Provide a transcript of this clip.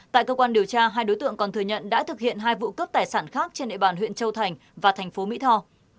tại cơ quan điều tra hai đối tượng còn thừa nhận đã thực hiện hai vụ cướp tài sản khác trên địa bàn huyện châu thành và thành phố mỹ tho